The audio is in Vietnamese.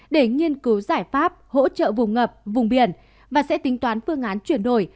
để nghiên cứu giải pháp hỗ trợ vùng ngập vùng biển và sẽ tính toán phương án chuyển đổi